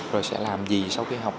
rồi sẽ làm gì sau khi học